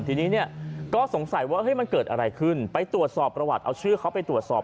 ทีนี้เนี่ยก็สงสัยว่ามันเกิดอะไรขึ้นไปตรวจสอบประวัติเอาชื่อเขาไปตรวจสอบ